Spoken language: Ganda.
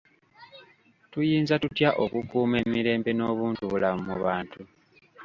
Tuyinza tutya okukuuma emirembe n'obuntubulamu mu bantu?